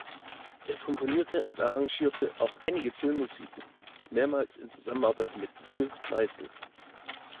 Er komponierte und arrangierte auch einige Filmmusiken, mehrmals in Zusammenarbeit mit Will Meisel.